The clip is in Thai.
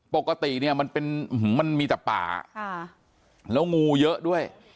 ปกติเนี่ยมันเป็นมันมีแต่ป่าแล้วงูเยอะด้วย